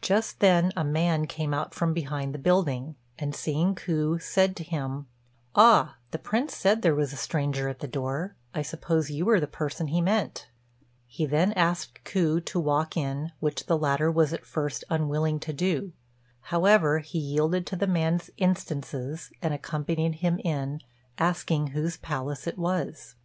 Just then a man came out from behind the building, and, seeing Ku, said to him, "Ah, the Prince said there was a stranger at the door; I suppose you are the person he meant." He then asked Ku to walk in, which the latter was at first unwilling to do; however, he yielded to the man's instances, and accompanied him in, asking whose palace it was.